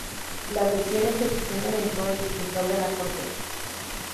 Las lesiones se extienden en todo el espesor de la corteza.